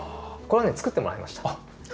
これはね作ってもらいました。